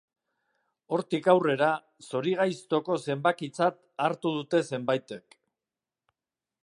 Hortik aurrera, zorigaiztoko zenbakitzat hartu dute zenbaitek.